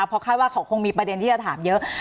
นะคะเพราะแค่ว่าคงมีประเด็นที่จะถามเยอะ